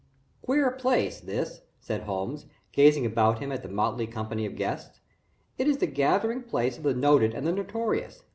"Queer place, this," said Holmes, gazing about him at the motley company of guests. "It is the gathering place of the noted and the notorious.